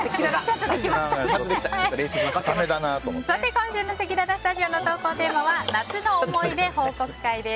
今週のせきららスタジオの投稿テーマは夏の思い出報告会です。